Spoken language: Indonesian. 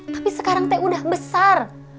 tapi sekarang teh udah besar